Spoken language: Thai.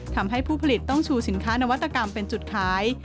ทำให้ผู้ผลิตต้องชูสินค้านวัตกรรมเป็นจุดขาย